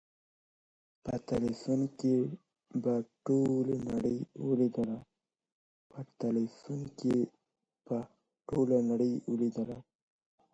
په ټلویزیون کي په ټولي نړۍ ولیدله